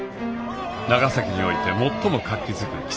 長崎において最も活気づく